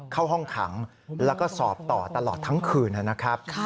เข้าห้องขังแล้วก็สอบต่อตลอดทั้งคืนนะครับ